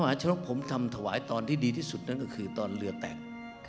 ชนกผมทำถวายตอนที่ดีที่สุดนั่นก็คือตอนเรือแตก